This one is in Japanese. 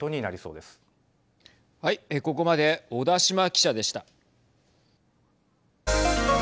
ここまで小田島記者でした。